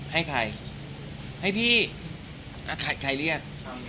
ให้ใครให้พี่ใครเรียก